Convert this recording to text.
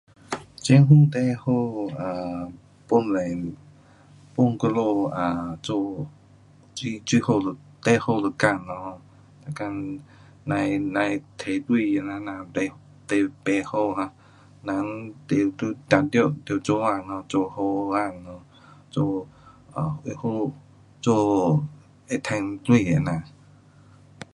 政府最好 um 帮助，帮我们啊做最好，最好的工咯，每天甭，甭提钱那那最好 um 人当然，当然要做工 um，做好好工。做好会，做会赚钱这样。